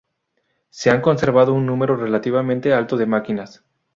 Se han conservado un número relativamente alto de máquinas.